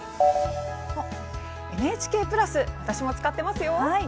ＮＨＫプラス私も使ってます。